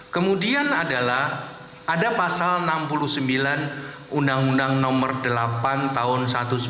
kemudian adalah ada pasal enam puluh sembilan undang undang nomor delapan tahun seribu sembilan ratus sembilan puluh sembilan